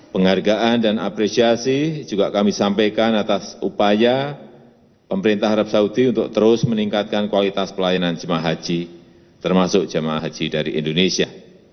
penghargaan dan apresiasi juga kami sampaikan atas upaya pemerintah arab saudi untuk terus meningkatkan kualitas pelayanan jemaah haji termasuk jemaah haji dari indonesia